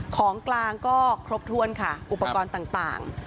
ของกลางก็ครบถ้วนค่ะอุปกรณ์ต่าง